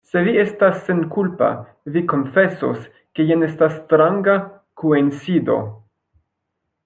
Se vi estas senkulpa, vi konfesos, ke jen estas stranga koincido.